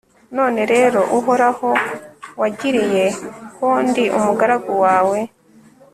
none rero, uhoraho, wagiriye ko ndi umugaragu wawe